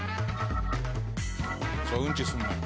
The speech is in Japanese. そううんちするの。